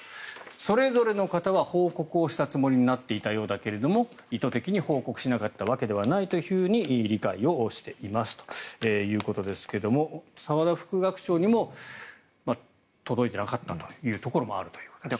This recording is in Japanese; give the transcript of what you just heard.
それぞれの方は報告をしたつもりになっていたようだけど意図的に報告しなかったわけではないと理解をしていますということですけども澤田副学長にも届いてなかったというところもあるということですね。